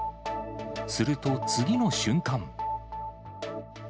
すると、次の瞬間。